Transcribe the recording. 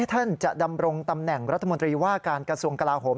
ท่านจะดำรงตำแหน่งรัฐมนตรีว่าการกระทรวงกลาโหม